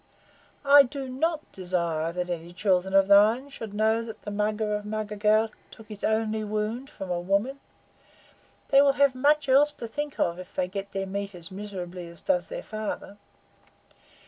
I do NOT desire that any children of thine should know that the Mugger of Mugger Ghaut took his only wound from a woman. They will have much else to think of if they get their meat as miserably as does their father."